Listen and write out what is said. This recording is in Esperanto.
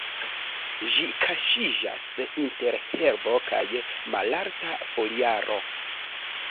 Ĝi kaŝiĝas inter herbo kaj malalta foliaro.